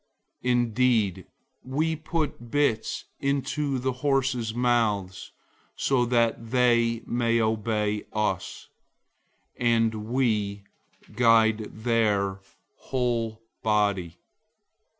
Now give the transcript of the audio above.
003:003 Indeed, we put bits into the horses' mouths so that they may obey us, and we guide their whole body.